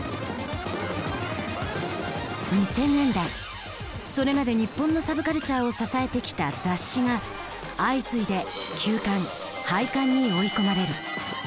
２０００年代それまで日本のサブカルチャーを支えてきた雑誌が相次いで休刊廃刊に追い込まれる。